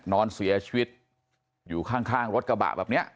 นอนเสียชีวิตอยู่ข้างรถกระบะแบบนี้